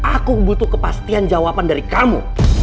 aku butuh kepastian jawaban dari kamu